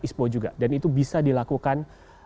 ispo juga dan itu bisa dilakukan